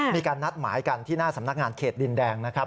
มีการนัดหมายกันที่หน้าสำนักงานเขตดินแดงนะครับ